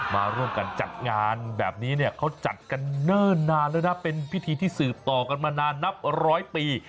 มาร่วมกันจัดงานแบบนี้เนี่ยเขาจัดกันเนิ่นนานแล้วนะเป็นพิธีที่สืบต่อกันมานานนับร้อยปี